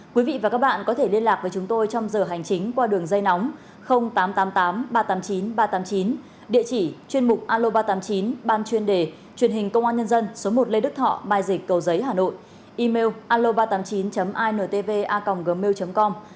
quý vị và các bạn có thể liên lạc với chúng tôi trong giờ hành chính qua đường dây nóng tám trăm tám mươi tám ba trăm tám mươi chín ba trăm tám mươi chín địa chỉ chuyên mục alo ba trăm tám mươi chín ban chuyên đề truyền hình công an nhân dân số một lê đức thọ bài dịch cầu giấy hà nội email alo ba trăm tám mươi chín intv a gmail com